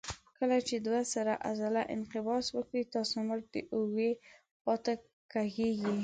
کله چې دوه سره عضله انقباض وکړي تاسې مټ د اوږې خواته کږېږي.